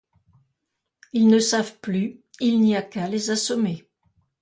Ils ne savent plus, il n'y a qu'à les assommer.